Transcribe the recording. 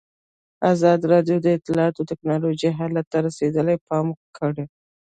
ازادي راډیو د اطلاعاتی تکنالوژي حالت ته رسېدلي پام کړی.